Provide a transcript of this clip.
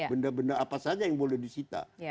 benda benda apa saja yang boleh disita